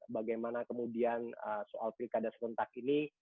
bagaimana kemudian soal pilkada serentak ini